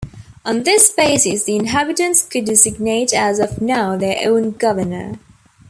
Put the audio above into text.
On this basis the inhabitants could designate as of now their own governor.